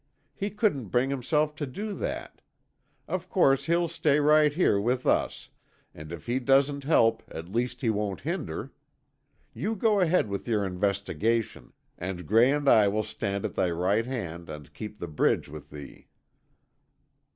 He couldn't bring himself to do that. Of course, he'll stay right here with us, and if he doesn't help, at least he won't hinder. You go ahead with your investigations and Gray and I will stand at thy right hand and keep the bridge with thee."